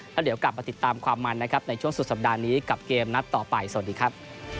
แล้วเดี๋ยวกลับมาติดตามความมันนะครับในช่วงสุดสัปดาห์นี้กับเกมนัดต่อไปสวัสดีครับ